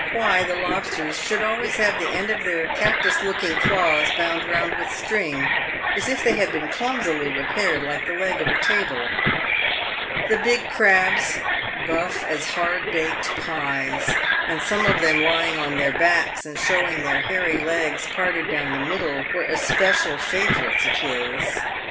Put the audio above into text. why the lobsters should always have the end of their cactus looking claws bound round with string, as if they had been clumsily repaired like the leg of a table. The big crabs, buff as hard baked pies, and some of them lyiug on their backs and showing their hairy legs parted down the middle, were especial favourites of his.